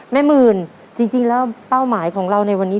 หมื่นจริงแล้วเป้าหมายของเราในวันนี้